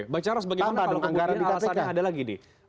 bang charles bagaimana kalau penguatannya ada lagi nih